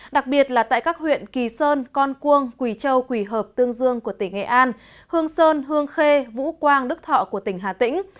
đặc biệt là tại các huyện kỳ sơn con cuông quỳ châu quỳ hợp tương dương của tỉnh nghệ an hương sơn hương khê vũ quang đức thọ của tỉnh hà tĩnh